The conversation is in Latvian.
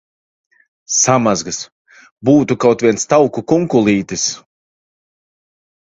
Samazgas! Būtu kaut viens tauku kunkulītis!